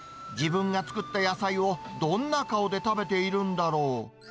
自分が作った野菜をどんな顔で食べているんだろう？